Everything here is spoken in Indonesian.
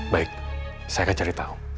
baik saya akan cari tahu